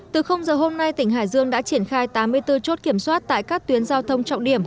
từ giờ hôm nay tỉnh hải dương đã triển khai tám mươi bốn chốt kiểm soát tại các tuyến giao thông trọng điểm